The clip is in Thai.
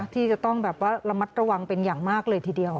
ที่จะต้องแบบว่าระมัดระวังเป็นอย่างมากเลยทีเดียว